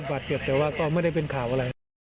บาดเจ็บแต่ว่าก็ไม่ได้เป็นข่าวอะไร